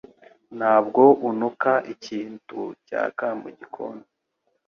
Ntabwo unuka ikintu cyaka mugikoni?